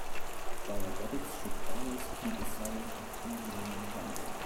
Diabetics should always keep a syringe of insulin handy.